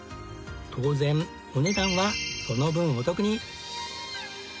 当然お値段はその分お得に！